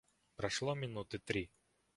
Прошло минуты три.